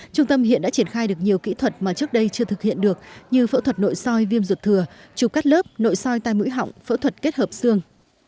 trung tâm hiện đã triển khai được nhiều kỹ thuật mà trước đây chưa thực hiện được như phẫu thuật nội soi viêm ruột thừa chụp cắt lớp nội soi tai mũi họng phẫu thuật kết hợp xương